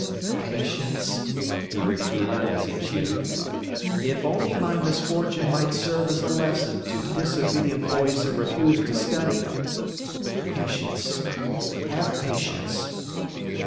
"Patience!" he repeated as he chewed. "If only my misfortune might serve as a lesson to disobedient boys who refuse to study! Patience! Have patience!"